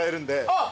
あっ！